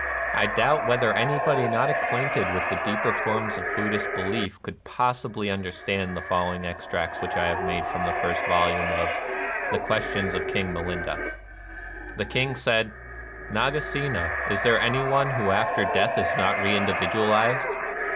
I doubt whether any body not acquainted with the deeper forms of Buddhist belief could possibly understand the following extracts which I have made from the first volume of "The Questions of King Milinda :"— The King said: "Nagasena, is there any one who after death is not reindividualized